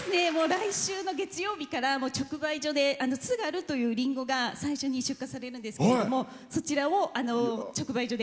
来週の月曜から直売所でつがるというリンゴが最初に出荷されるんですけど。